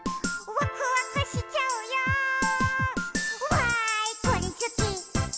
「わーいこれすき！